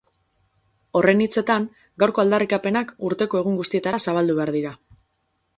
Horren hitzetan, gaurko aldarrikapenak urteko egun guztietara zabaldu behar dira.